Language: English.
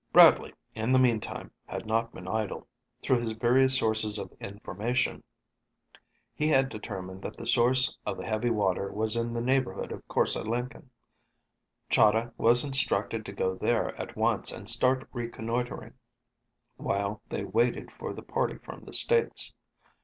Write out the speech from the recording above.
Bradley, in the meanwhile, had not been idle. Through his various sources of information he had determined that the source of the heavy water was in the neighborhood of Korse Lenken. Chahda was instructed to go there at once and start reconnoitering while they waited for the party from the States.